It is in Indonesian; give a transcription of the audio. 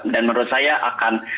dan menurut saya akan